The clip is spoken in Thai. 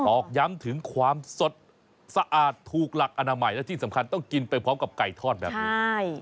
อกย้ำถึงความสดสะอาดถูกหลักอนามัยและที่สำคัญต้องกินไปพร้อมกับไก่ทอดแบบนี้